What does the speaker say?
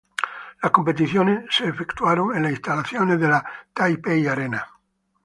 Las competiciones se efectuaron en las instalaciones de la Taipei Arena.